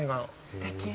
すてき。